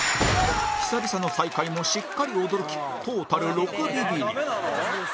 久々の再会もしっかり驚きトータル６ビビリ